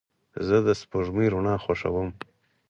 زه د سپوږمۍ رڼا خوښوم.